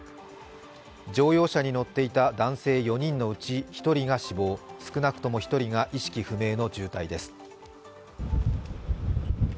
乗用車に乗っていた男性４人のうち１人が死亡、少なくとも１人が意識不明の重体です。